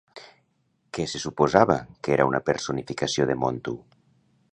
Què se suposava que era una personificació de Montu?